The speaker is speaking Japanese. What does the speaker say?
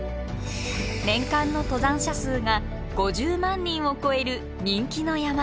年間の登山者数が５０万人を超える人気の山。